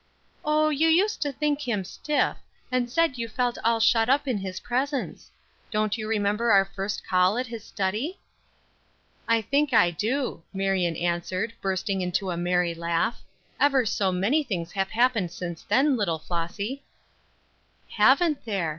"Oh, you used to think him stiff, and said you felt all shut up in his presence. Don't you remember our first call at his study?" "I think I do," Marion answered, bursting into a merry laugh. "Ever so many things have happened since then, little Flossy!" "Haven't there!"